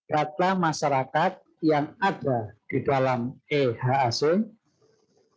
data masyarakat yang ada di dalam e hack